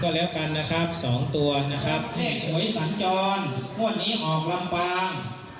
แล้วกันนะครับสองตัวนะครับเลขหวยสัญจรงวดนี้ออกลำปาง